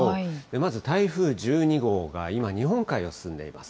まず台風１２号が今、日本海を進んでいます。